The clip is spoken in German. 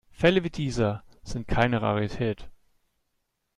Fälle wie dieser sind keine Rarität.